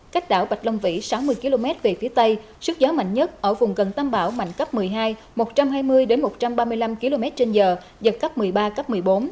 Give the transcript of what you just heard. cách đảo bạch long vĩ sáu mươi km về phía tây sức gió mạnh nhất ở vùng gần tâm bão mạnh cấp một mươi hai một trăm hai mươi một trăm ba mươi năm km trên giờ giật cấp một mươi ba cấp một mươi bốn